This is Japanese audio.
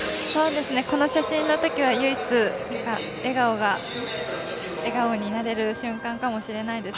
この写真のときは唯一、笑顔になれる瞬間かもしれないです。